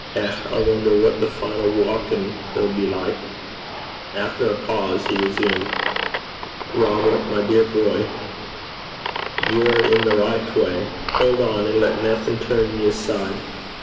Eh! I wonner what the final waukin' 'ill be like.' After a pause he resumed, 'Robert, my dear boy, ye're i' the richt gait. Haud on an' lat naething turn ye aside.